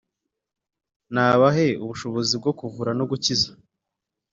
nabahe ubushobozi bwo kuvura no gukiza,